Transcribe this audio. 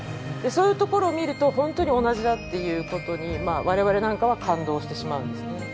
そういうところを見ると本当に同じだっていうことに我々なんかは感動してしまうんですね。